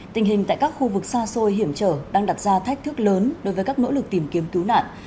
tình hình tại các khu vực xa xôi hiểm trở đang đặt ra thách thức lớn đối với các nỗ lực tìm kiếm cứu nạn